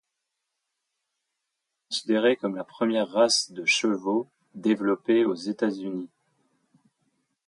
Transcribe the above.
Il est considéré comme la première race de chevaux développée aux États-Unis.